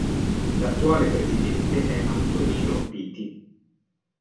L'attuale presidente è Antonino Viti.